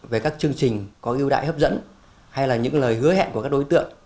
về các chương trình có ưu đại hấp dẫn hay là những lời hứa hẹn của các đối tượng